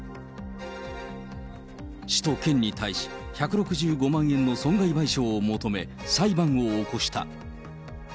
市と県に対し、１６５万円の損害賠償を求め、裁判を起こした。